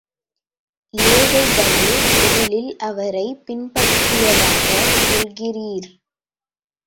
ஏழைகளே முதலில் அவரைப் பின்பற்றியதாகச் சொல்கிறீர்.